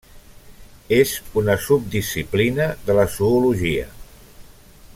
És una subdisciplina de la zoologia.